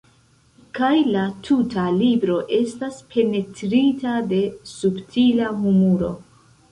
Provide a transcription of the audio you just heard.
Kaj la tuta libro estas penetrita de subtila humuro.